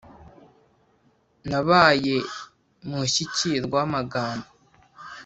Nabaye mushyikirwa w' amagambo !